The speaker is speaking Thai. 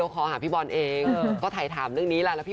จะบอกเหมือนแบบนี้